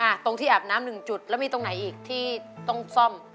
ตรงที่อาบน้ำหนึ่งจุดแล้วมีตรงไหนอีกที่ต้องซ่อม